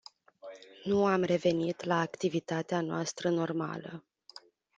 Nu am revenit la activitatea noastră normală.